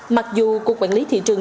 mặc dù cuộc quản lý thị trường